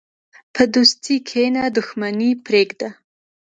په دوستۍ کښېنه، دښمني پرېږده.